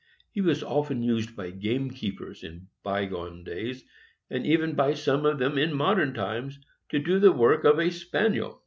He was often used by gamekeep ers in by gone days, and even by some of them in modern times, to do the work of a Spaniel.